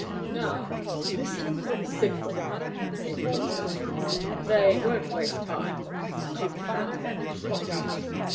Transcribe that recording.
"Now listen for the signal," said Thorndyke. "They won't waste time. Confound that clock!"